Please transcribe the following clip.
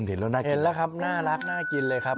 เห็นแล้วครับน่ารักน่ากลิ่นเลยครับ